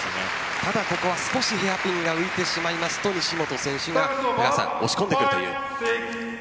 ただ少しヘアピンが浮いてしまうと西本選手が押し込んでくるという。